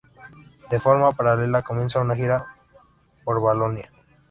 De forma paralela, comienza una gira por Valonia.